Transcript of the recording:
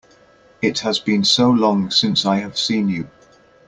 It has been so long since I have seen you!